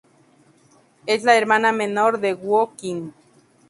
Es la hermana menor de Woo Kyung.